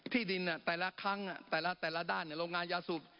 ที่ดินแต่ละครั้งแต่ละด้านโรงงานยาสูบ